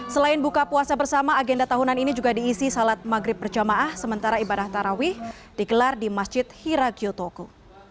selain buka puasa bersama agenda tahunan ini juga diisi salat maghrib berjamaah sementara ibadah tarawih digelar di masjid hiragyotoku